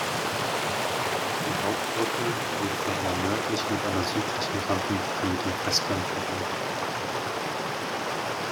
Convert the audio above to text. Die Hauptbrücke wird von einer nördlichen und einer südlichen Rampenbrücke mit dem Festland verbunden.